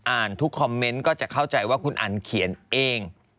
ทุกคอมเมนต์ก็จะเข้าใจว่าคุณอันเขียนเอง